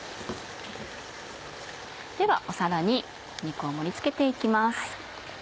では皿に肉を盛り付けて行きます。